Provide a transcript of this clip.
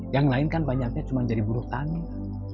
yang lain kan banyaknya cuma jadi buruk tanah